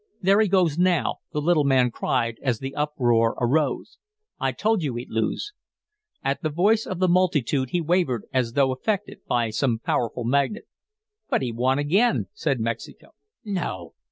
"There he goes now," the little man cried as the uproar arose. "I told you he'd lose." At the voice of the multitude he wavered as though affected by some powerful magnet. "But he won again," said Mexico. "No!